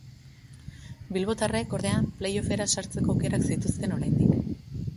Bilbotarrek, ordea, play-offera sartzeko aukerak zituzten oraindik.